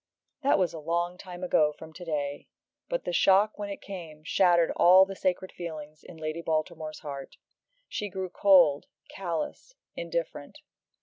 That was a long time ago from to day, but the shock when it came shattered all the sacred feelings in Lady Baltimore's heart. She grew cold, callous, indifferent.